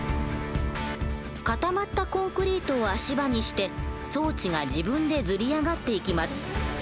固まったコンクリートを足場にして装置が自分でずり上がっていきます。